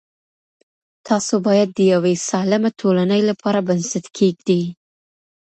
تاسو باید د یوې سالمه ټولنې لپاره بنسټ کېږدئ.